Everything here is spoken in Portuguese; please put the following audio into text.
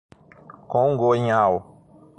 Congonhal